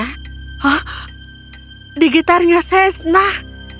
hah di gitarnya shashna